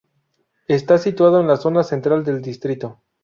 Está situado en la zona central del distrito.